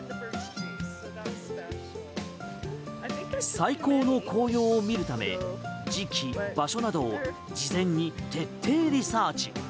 最高の紅葉を見るため時期、場所などを事前に徹底リサーチ。